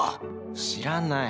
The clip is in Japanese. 知らない。